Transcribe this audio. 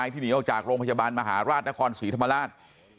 ที่หนีออกจากโรงพยาบาลมหาราชนครศรีธรรมราช